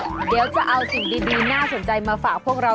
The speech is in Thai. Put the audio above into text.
เดี๋ยวจะเอาสิ่งดีน่าสนใจมาฝากพวกเรา